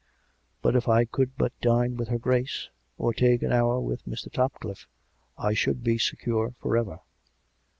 But if I could but dine with her Grace, or take an hour with Mr. TopcliflFe, I should be secure for ever."